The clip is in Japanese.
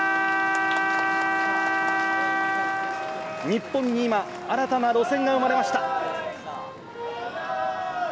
日本に今、新たな路線が生まれました。